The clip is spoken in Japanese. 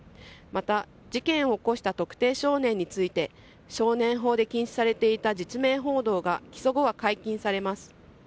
また事件を起こした特定少年について少年法で禁止されていた実名報道が起訴後は解禁されます。